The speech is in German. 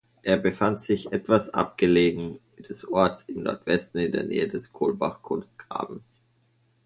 Er befand sich etwas abgelegen des Orts im Nordwesten in der Nähe des Kohlbach-Kunstgrabens.